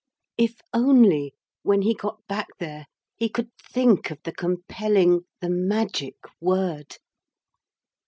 If only, when he got back there he could think of the compelling, the magic word!